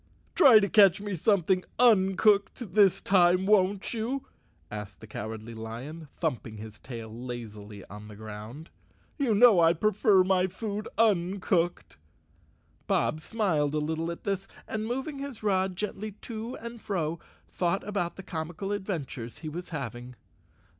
"Try to catch me something uncooked this time, won't you?" asked the Cowardly Lion, thumping hi6 148 Chapter Seven tail lazily on the ground. "You know I prefer my food uncooked." Bob smiled a little at this and, mov¬ ing his rod gently to and fro, thought about the comical adventures he was having.